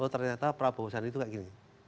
oh ternyata prabowo sandi itu kayak gini